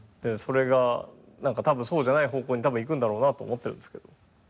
それが多分そうじゃない方向にいくんだろうなと思ってるんですけど。